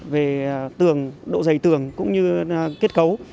về tường độ dày tường cũng như kết cấu